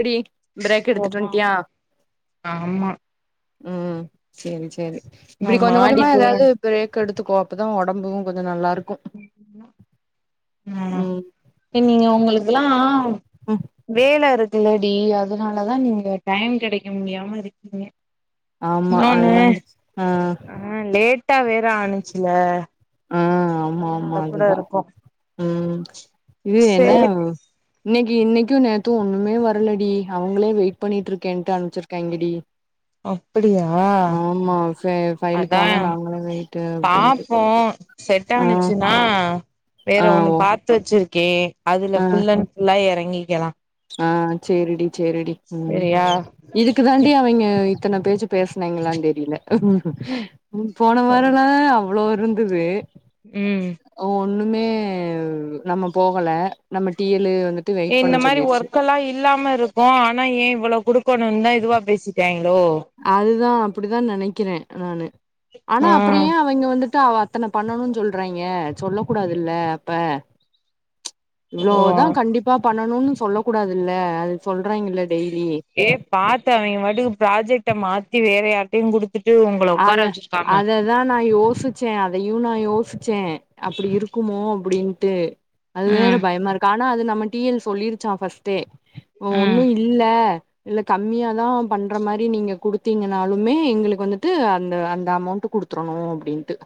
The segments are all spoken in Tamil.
எப்டி பிரேக் எடுத்துட்டு ஆமா வந்டியா ஆமா ம் செரி செரி நா இப்டி கொஞ்ச கொஞ்சமா மாடிக்குவ ஏதாது பிரேக் எடுத்துகோ அப்ப தா உடம்பு கொஞ்சோ நல்லா இருக் ம் ம் தி நீங்க உங்களுகெல்லா ம் வேல இருக் கில்லடி அதனால தா நீங்க டைம் கிடைக்க முடியாம இருக்கீங்க ஆமா இன்னொன்னு அதுவந்து ஆ டா வேற ஆனுச்சுல ஆ‌ ஆமாமா அதனால கூட அதுதா இருக்கு ம் இது என்ன சேரி இன் னைக்கு நேத்து ஒண்ணுமே வர்லடி அவங்களே வெயிட் பண்ணிட்டு இருக்கேன்ட்டு அனுப்புச்சிருக்கியாங்கடி அப்படியா ஆமா ஃபே அதா ஃபைலுக்காக நாங்களே வெயிட்டு அப்டின்ட்டு பாப்போ செட் ஆ ஆனுச்சுன்னா வேற ஆ ஒண்ணு ஓ பாத்து வச் சிருக்கே அதுல ஆ ஃபுல் அன் புஃல்லா இறங்கி க்கலா ஆ செரிடி செரிடி ம் சரியா இதுக்கு தாண்டி அவிங்கே இத்தன பேச்சு பேசுனாங்கிளான் தெரில ம் போன வாரல்லா அவ்ளோ இருந்துது ம் ஒண்ணுமே நம்ம போகல நம்ம டிஎல் த்து வெயிட் பண்ண சொல்லி க்கல்லாம் இல்லாம இருக்கும் ஆனா ஏன் இவ்வளவு குடு கணும்ந்த இதுவா பேசிட்டாங்க அதுதான் அப்டிதான் நினைக்கிறேன் நானு ஆனா ஆ அப்பறயேன் அவங்க வந்துட் அத்தன பண்ணணுனு சொல்றாங்கேன் சொல்ல கூடாதுல்ல அப்ப ஓ இவ்ளோதான் கண்டிப்பா பண்ணணும்னு சொல்ல கூடாதுல்ல அது சொல்ராங்கேல ஏ பாத்து அவங்க பாட்டுக்கு ப்ராஜெக்ட் ட மாத்தி வேற யார்டையு குடுத் அத அததா நா யோசிச்ச அதையு நா யோசிச்ச அப்டி இருக்குமோ அப்டின்னு ட்டு அது வேற ம் பயமா இருக்கு ஆனா அது நம்ம டி எல் சொல்லிருச்சா பஸ்டே ம் ஒன்னு இல்ல இல்ல கம்மியாதா பண்ற மாரி நீங்க குடுத்தீங்கனாலுமே எங்களுக்கு வந்து து அந்த அந்த அமௌண்ட் குடுத்துரு அப்டின்ட்டு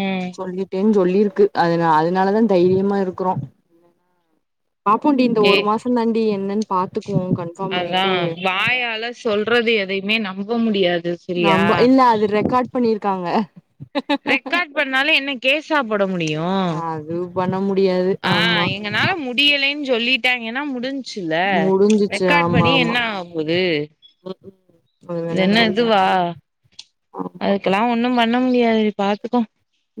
ம் சொல்லிட்டேன் சொல்லிருக்கு அது அதனால தா தைரியமா இருக்குறோ பாப்போண்டி இந்த ஏ ஒரு மாசஷோ தான் என்னன் பாத்து அதா வாயால சொல்றது எதையுமே நம் நம்ப முடியாது செரியா நாம்ப இல்ல அது ரெக்கார்டு பண்ணிருக்காங்க ரெக்கார்ட் பண்ணாலு என்ன கேஸா போட முடியு அது பண்ண மு ஆ எங்கனால முடியலை சொல்லிட்டாங்கனா முடிஞ் முடின்சுல முடிஞ்சிச்சு ரெக்கார்ட் ஆமா பண்ணி ஆமா என்ன ஆகபோது ம் ம் அது வேணா என்ன சொல்லு இதுவா ஆமா அதுகெல்லா ஒண்ணும் பண்ண பண்ண முடியாது பாத்துக்கோ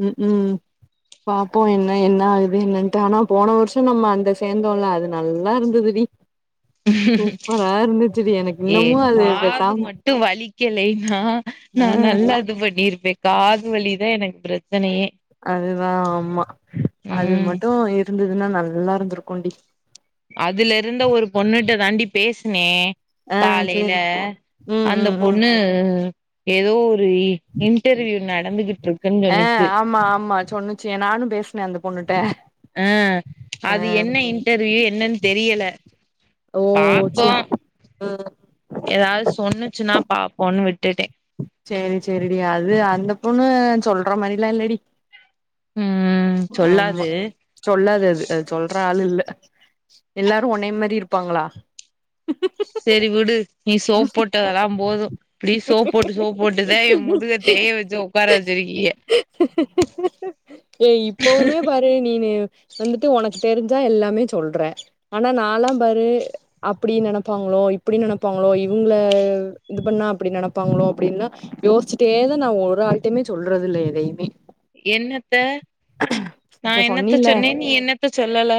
உம் உம் பாப்போ என்ன என்ன இது என்னன்ட்டு ஆனா போன வருஷோ நம்ம அந்த சேந்தோல அது நல்லா இருந்ததுடி சூப்பரா இருந்துச்சுடி எனக்கு ஏ இன்னமு அது காது பேசாம மட்டு வலிக்கலைன்னா ஆ நா நல்லா இது பண்ணிருப்ப காது வலிதா எனக்கு பிர அதுதா ஆமா அது ம் மட்டு இருந்தது அதுன்னா நல்லா இருந்திருக்கோன்டி பேஸ்னே ஆ காலைல சேரி ம் அந்த ம் ம் பொண்ணு எதோ இன்டர்வியூ நட ஆஹ் ஆமா ஆமா சொன்னுச்சு நானு பேசுன அந்த பொண்ணுட்ட அஹ் ஆ அது என்ன இன்டர்வியூ என்னன்னு தெரியல ஓ பாப்போ சேரி ம் எதாவது சொன்னுச்சுன்னா பாப்போனு விட் ட்டேன் சேரி சேரிடி அது அந்த பொண்ணு சொல்ற மாதிரிலாம் இல்லடி ம் ஆமா சொல்லாது சொல்லாது அது அது சொல்ற ஆள் இல்ல எல்லாரும் ஒனைய மாதிரி இருப்பாங்களா செரி விடு நீ சோப் போட்டதெல்லாம் போதும் நீ சோப் போட்டு சோப்பு போட்டுதான் முதுக தேய வச்சு உட்கார வச்சிருக்கீய ஏ இப்பவுமே பாரு நீனு வந்துட்டு உனக்கு தெரிஞ்சா எல்லாமே சொல்றேன் ஆனா நாலாம் பாரு அப்படி நினைப்பாங்களோ இப்படி நினப் பாங்களோ இவங்க இது பண்ணா அப்படி நனப்பாங்களோ அப்படின்னுல்லாம் யோசிச்சுட்டேதான் நான் ஒரு ஆள்டயுமே சொல்றது இல்ல எதையுமே என்னத்த நா இப்ப என்னத்த சொன்னில சொன்னேன் நீ என்னத்த சொல்லல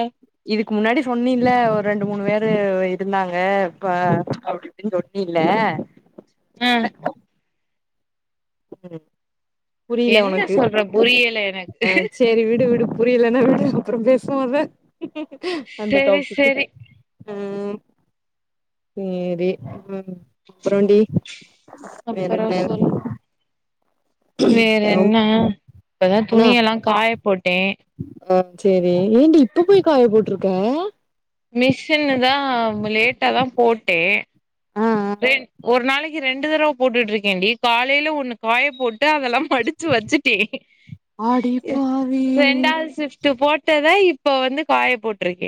க்கு முன்னாடி சொன்னீல்ல ஒரு ரெண்டு மூணு பேரு இருந்தாங்க இப்ப அப்டி இப்டின்னு சொண்ணில்ல அ [inaudible] புரியல என்ன உனக்கு சொல்ற புரியல எனக்கு ஆஹ் சேரி விடு விடு புரியலனா வி அப்புறம் பேசுவோம் அத அந்த செரி டாபிக்கு செரி உஹம் சேரி உம் அப்புறண்டி அப்புறம் சொல் வேற ரொம் என்ன இப்பதான் துணிய எல்லாம் காய போட்டேன் ஆஹ் சேரி ஏண்டி இப்ப போய் காய போட்டிருக்க மிஷின்னுதா லேட்டாதா போட்டு ஆ ஆ ரேன் ஒரு நாளிக்கு ரெண்டு தடவ போட்டுட்டு இருக்கேன்டி காலையில ஒன்னு காய போட்டு அதெல்லாம் மடிச்சு வெச்சுட்டே அடி பாவி இண்டாவது ஷிப்ட் இப்ப போட்டத இப்ப வந்து காய போட்டிருக்க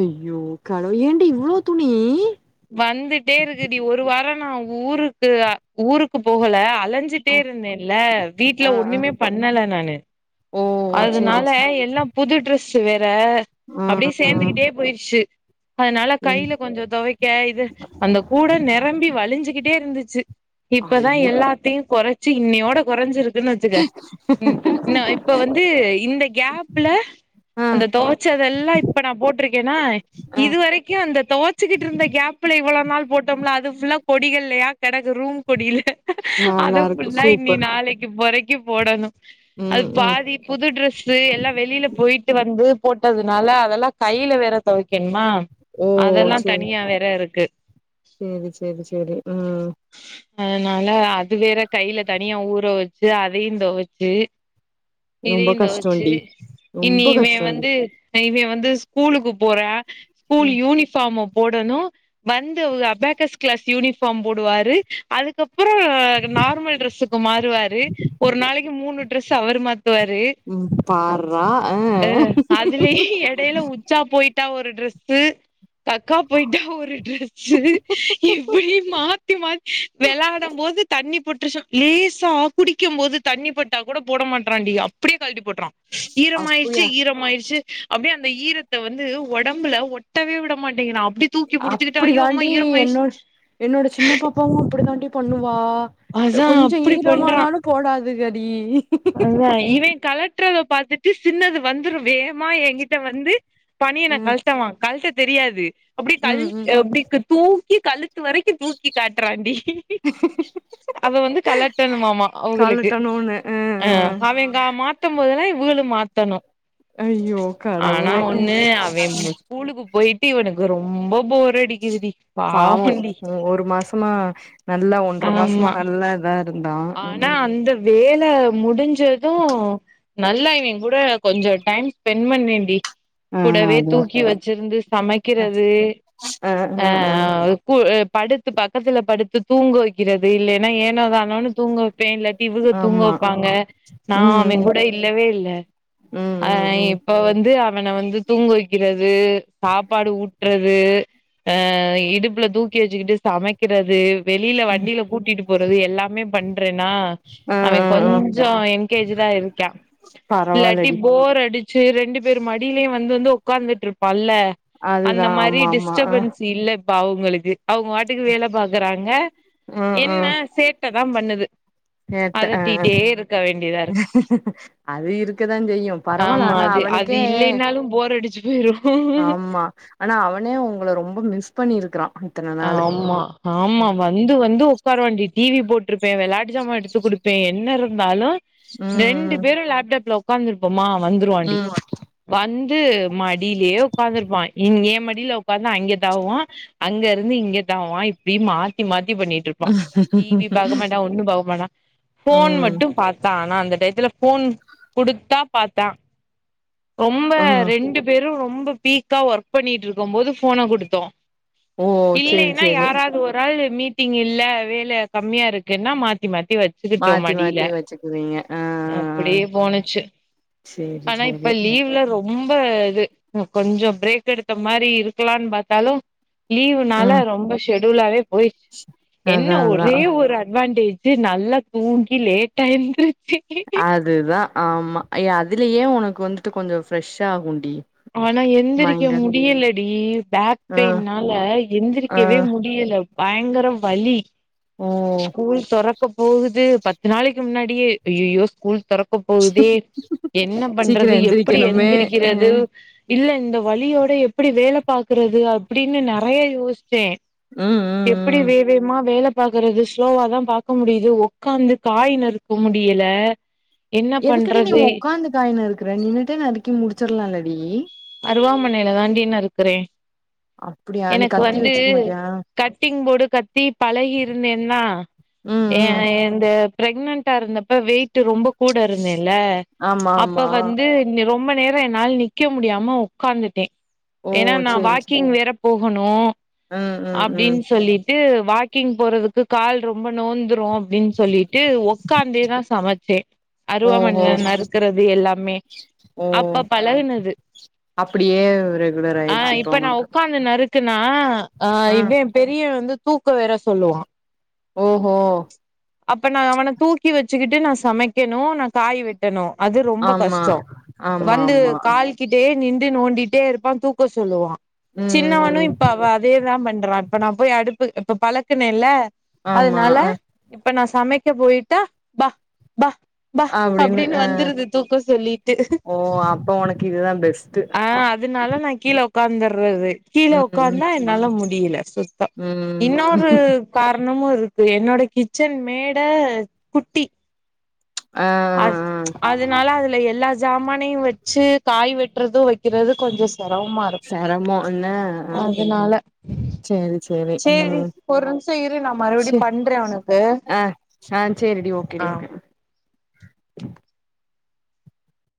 ஐயோ கடவுளே ஏண்டி இவ்ளோ துணி வந்துட்டே இருக்குடி ஒரு வாரம் நா ஊருக்கு ஊருக்கு போகல அலஞ்சிட்டே ஆ இருந்தேன்ல வீட்ல ஆ ஆ ஒண்ணுமே பண்ணல நானு ஓ சேரி அதனால சேரி எல்லா புது டிரெஸ்சு வேற வே ஆ அப்பிடியே ஆ சேந்துகிட்டே போயிடுச்சு அதனால ம் கையில கொஞ்ச தொவைக்க இது அந்த கூட நிரம்பி வலிஞ்சுகிட்டே இருந்துச்சு இப்பதா ஐய எல்லாத்தையு கெறச்ச சி இன்னியோட கெறஞ்சிருக்கு நச்சுக உம் நா இப் இப்ப வந்து இந்த கேப்ல ஆ அந்த தொவச்சதெல்லா இப்ப நா போட்டிருக்கேன்னா ஆ இதுவரைக்கு அந்த தொவச்சுகிட்டு இருந்த கேப்ல இவ்ளோ நாள் போட்டோம்ல அது புல்லா கொடிகல்லயா கெடக்கு ரூம் கொடிகல்ல நல்லா அது இருக்கு புல்லா இன்னி நாளிக்கு போற க்கி போடணு அது ம்ம் பாதி புது டிரஸ்சு எல்லாம் வெளியில போயிட்டு வந்து போட்டதுனால அதெல்லா கையில வேற தொவைக்கணுமா ஓ சேரி சேரி சேரி சேரி அதனால அது வேற கையில தனியா ஊற வெச்சு அதையு தொவச்சு ரொம்ப இதயும் தொவச்சு கஷ்டோண்டி ரொம்ப இன்னிமே கஷ்டோண்டி வந்து இவ வந்து ஸ்கூலுக்கு போற ஸ்கூல் யூனிஃபார்ம போடணு வந்து ஒ அபாக்கஸ் கிளாஸ் யூனிபார்ம் போடுவாரு அதுக்கப் அப்புற நார்மல் ட்ரெஸ்சுக்கு மாறுவாரு ஒரு நாளிக்கு மூணு டிரஸ் சவர்மாத்துவாரு ம் பார்றா ஆ அஹ் அதுலயே எடையில உச்சா போயிட்டு த்தா ஒரு டிரஸ்சு கக்கா போயிட்டு ஒரு ட்ரெஸ்சு எப்டி மாத்தி மாத் வெளாடும் போது தண்ணி பட்டுருச்சா லேசா குடிக்கும் போது தண்ணிப்பட்டா கூட போட மாட்றான் டி அப்பிடியே களட்டி போட்டுறான் ஈரமாயிறுச்சு அப்டியா ஈரமாயிறுச்சு அப்படியே அந்த ஈரத்தை வந்து உடம்புல ஒட்டவே விடமாட்டிங்கிறான் அப்ப அப்பிடி தாண்டி என்னோட் என்னோட சின்ன பாப்பாவும் அப்படி தாண்டி பண்ணுவா த்த அதா கொஞ்சம் அப்டி பண்றா ஈரமானாலும் போடாத் இது கடி [unintelligible] அதா இவன் கலட் திட்டரத பாத்துட்டு சின்னது வந்துடும் வேகமா என்கிட்ட வந்து பனியன்ன ம் கழ்ட்டவா கழ்ட்டு தெரியாது அப்படி தல் ம் ம் [unintelligible] அப்படி தூ இ கல்லு த்து வரைக்கும் தூக்கி காட்டுறான்ண்டி அத வந்து கலட்டணுமாமா அவுகளுக்கு காலட்டணுனு அ ஆ அ அவெங்க மாத்தம்மோ இ இவகளும் மாத்தணும் ஐயோ ஆனா கடவுளே ஒண்ணு அவ ஸ்கூலுக்கு போயிட் தீவனுக்கு ரொம்ப போர் அடிக்குது டி பாவம் உ ஒரு மாசமா நல்ல ஒன்ற மாசமா ஆமா நல்லா இதா இருந்தான் ம் ஜேதோ நல்லா இவன் கூட கொஞ்சம் டைம் ஸ்பென் பண்ணேண்டி ஆ கூடவே அது தூக்கி வச்சிருந்து ஆ சமைக்கிறது ஆ [unintelligible] படுத்து பக்கத்துல படுத்து தூங்க வைக்கிறது இல்லேன்னா ஏனோ தானன்னு தூங்க வக் பேன் இல்லாட்டி இவக தூங்க ஆமா வைப்பாங்க நா ம் அவன் கூட இல்லவே இல்லை ம் அ ம் ம் இப்ப வந்து அவனை வந்து தூங்க வைக்கிறது சாப்பாடு ஊட்றது அ இடுப்புல தூக்கி வச்சுக்கிட்டு சமைக்கிறது வெளியில ம் ம் வண்டியில கூட்டிட்டு போறது எல்லாமே பண் பிரென ஆ அவன் ஆ ஆ கொஞ்சம் என்கேஜடா இருக்கா இல்லாட்டி பரவால்லடி போர் அடிச் சரி ரெண்டு பேர் மடியிலயு வந்து வந்து உட்கார்ந்துட்டு இருப்பால்ல அதுதா ஆமா ஆமா அ ப்பா அவங்களுக்கு அவங்க வாட்டுக்கு வேல பாக்குறாங்க ம் என்ன ம் சேட்டதா பண்ணுது [inaudible] அதட்டிட்டே இருக்க வேண்டியதா இருக்கு அது இருக்கதா செய்யு பரவால்ல ஆமா ஆனா அது அது அவனுக்கே இல்லைனாலு போர் அடிச்சு போயிரு ஆமா ஆனா அவனே உங்களை ரொம்ப மிஸ் பண்ணியிருக்குறா ஆமா ஆமா வந்து வந்து உக்காருவாண்டி டிவி போட்டிருப்பே வெளாட்டு ஜாமா எடுத்து குடுப்பே என்ன இருந்தாலு ரெண்டு ம் பேரு லேப்டாப்ல உக்காந்துருப்போம்மா வந்துருவாண்டி வந் ண்ட்டு மடியிலயே உட்காந்துருப்பா ஏ மடியில உட்காந்து அங்க தாவுவா அங்க ருந்து இங்க தாவுவா இப்டி மாத்தி மாத்தி பண்ணிட்டுருப்பா டிவி பாக்கமாட்டா ஒன்னு பாக்கமாட்டா ஃபோன் ம் மட்டு பாத்தா நா அந்த டயத்துல ஃபோன் குடுத்தா பாத்தா ரொம்ப ம் ரெண்டு பேரு ரொம் ப பீக்கா ஒர்க் பண்ணிட்டு இருக்கும் போது ஃபோன குடுத்தோ ஓ சேரி இல்லைன்னா சேரி யாராவது ஒரு ஆள் மீட்டிங் இல்ல வேல கம்மியா இருக்குன்னா மாத்தி மாத் க்கு வச்சுக்கிட்டோம் மாத்தி மடில மாத்தி வச்சுக்குவீங்க ஆ ஆ ஆ அப்புடியே போனச்சு சேரி ஆனா இப்ப சேரி லீவ்ல ரொம் ரொம்ப இது உம்‌‌ கொஞ்சோ பிரேக் எடுத்த மாரி இருக்கலான்னு பாத்தாலு லீவுனால ம் ரொம்ப ஷேக் [unintelligible] ‌ஓய் என்ன அதா அதா ஒரே ஒரு அட்வான்டேஜ் சேர் நல்லா தூங்கி லேட்டா எந்துருச்சு அதுதா ஆமா ஏ அதுலயே உனக்கு வந்துட்டு கொஞ்சோ ஃப்ரெஷ்ஷாகும்டி ஆனா எந்திரிக்க முடியல டி பேக் ஆ பெயின்னால ஆ எந்திரிக்கவே முடியல பயங்கர வலி ஓ ஸ்கூல் தொரக்க போகுது பத்து நாளைக்கு முன்னாட் டியே‌ அய்யயோ ஸ்கூல் தொரக் க்கு போதே என்ன சீக்கிரோ பண்றது எப்படி எந்திரிக்கணுமே அ எந்திரிக்கிறது ம் இல்ல இந்த வலியோட எப்புடி வேல பாக்கறது அப்டின்னு நெறைய யோசிச்சே ம் எப்டி ம் வேவேமா வேல பாக்குறது ஸ்லோவாதா பாக்க முடியுது உக்காந்து காய் நறுக்க முடியல என்ன எதுக்கு டி நீ பண்றது உக்காந்து காய் நறுக்குர நின்னுட்டே நறுக்கி முடிச்சிர்லாலடி அருவாமனையில தான் டி நறுக்குறே அப்டியா அந்த எனக்கு கத்தி வந்து வச்சுக்க மாட்டியா கட்டிங் போர்டு கத்தி பழகிருந்தேன்னா ம் ஏ ம் இந்த இந்த பிரெக்னன்டா இருந்தப்ப வெயிட் ரொம்ப போட இருந்தேல்ல ஆமா அப்ப ஆமா வந்து ந்னு ரொம் ரொம்ப நேரோ என்னால நிக்க முடியாம உக்காந்துட்டே ஓ ஏன்னா நா சேரி சேரி வாக்கிங் வேறப் போகணோ ம் ம் ம் அப்டின் சொல்லிட்டு வாக்கிங் போறதுக்கு கால் ரொம்ப நோந்துரு அப்டின்னு சொல்லி ட்டு உக்காந்தேதா சமைச்சே ஓஹோ அருவாமண்ல நறுக்குறது எல்லாமே அப்ப பழகுனது அப்பிடியே ரெகுலர் ஆயிருச்சு இப்போ அவனுக்கு னா ஆ இவே பெரிய வந்து தூக்க வேற சொல்லுவா ஓஹோ அப்ப நா அவன தூக்கி வெச்சுக்கிட்டு நா சமைக்கெணு நா காய் வெட் டணு அது ரொம்ப ஆமா கஷ்டோ ஆமா வந்து ஆமா கால் கிட்டேயே நின்டு நோண்டிட்டே இருப்பா தூக்க சொல்லுவா சின்னவனு ம் இப்ப அவ அதேதா பண்றா இப்ப நா போய் அடுப்பு ப்போ பழக்குனேல்ல. ஆமா அதனால அ இப்ப நா சமைக்க போயிட்டா பா பா பா அப்டின்னு அப்டின் அ வந்துருது தூக்க சொல்லிட்டு. ஓ அப்ப உனக்கு இதுதா பெஸ்ட்டு அ அதனால நா கீழ உ க்காந்தறற்தே கீழ ம் ம் உக்காந்தா என்னால மு டியல. சூப்பர் ம் இன்னொரு கார இன்னுமு இருக்கு என்னோட கிச்சன் மேட குட்டி ஆ ஆ அ [unintelligible] ம்ச் ஆ அதனால அது ல எல்லா சாமானையு வெச்சு காய் வெட்றது வெக்கிறது கொஞ்சோ செரமமா இருக்கு. செரமோ என்ன ஆ அதனால சேரி சேரி ம் ஒரு நிமிஷ இரு நா மறுபடி சே பண்றே உனக்கு ஆ ஆஹ் ட்டு.